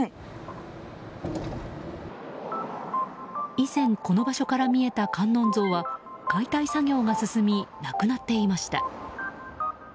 以前、この場所から見えた観音像は解体作業が進みなくなっていました。